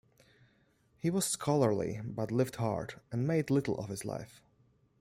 He was scholarly but lived hard, and made little of his life.